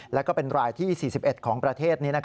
แล้วก็เป็นรายที่๔๑ของประเทศ